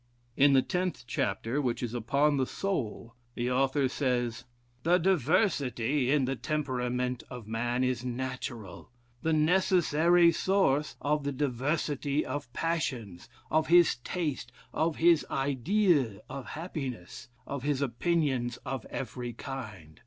In the tenth chapter, which is upon the soul, the author says: "The diversity in the temperament of man, is natural, the necessary source of the diversity of passions, of his taste, of his ideas of happiness, of his opinions of every kind.